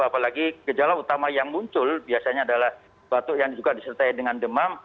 apalagi gejala utama yang muncul biasanya adalah batuk yang juga disertai dengan demam